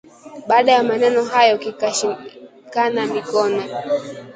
Baada ya maneno hayo kikashikana mikono